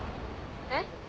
えっ？